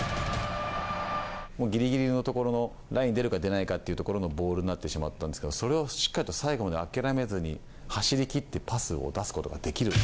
ギリギリのところのライン出るか出ないかというところのボールになってしまったんですがそれをしっかりと最後まで諦めずに走り切ってパスを出すことができる。